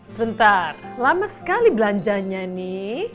sebentar lama sekali belanjanya nih